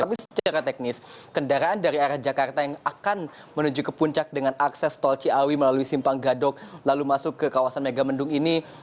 tapi secara teknis kendaraan dari arah jakarta yang akan menuju ke puncak dengan akses tol ciawi melalui simpang gadok lalu masuk ke kawasan megamendung ini